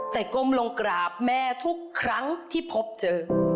แต่ก้มลงกราบแม่ทุกครั้งที่พบเจอ